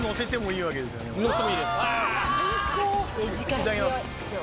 ・いただきます。